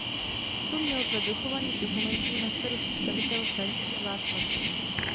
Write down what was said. Tu měl dle dochovaných dokumentů na starost stavitel František Václavík.